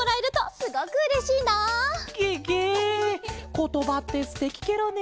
ことばってすてきケロね。